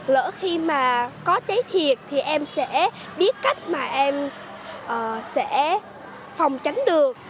lỡ khi mà có cháy thiệt thì em sẽ biết cách mà em sẽ phòng tránh được